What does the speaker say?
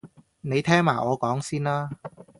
你聽埋我講先啦